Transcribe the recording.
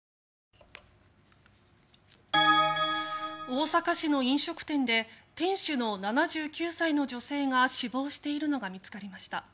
大阪市の飲食店で店主の７９歳の女性が死亡しているのが見つかりました。